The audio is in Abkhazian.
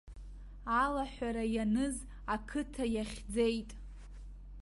Алаҳәара ианыз ақыҭа иахьӡеит.